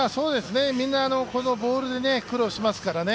みんなこのボールで苦労しますからね。